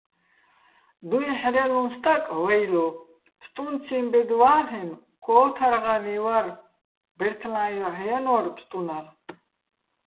დუ́ჲჰ̦რელუჼ სტაკ, ვეჲლო, ფსტუნციჼ ბედ ვა́ლლ'ენო̆, ქო́ვთარღარიჼ ვარ, ბეჲრთლა́ჼ ჲოჰ̦ ჲანო́რ ფსტუნაღ.